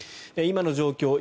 今の状況